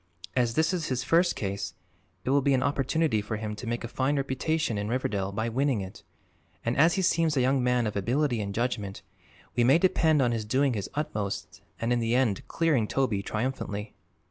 "As this is his first case, it will be an opportunity for him to make a fine reputation in Riverdale by winning it, and as he seems a young man of ability and judgment we may depend on his doing his utmost and in the end clearing Toby triumphantly."